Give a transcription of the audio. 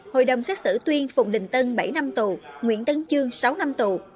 hội đồng xét xử tuyên phùng đình tân bảy năm tù nguyễn tấn trương sáu năm tù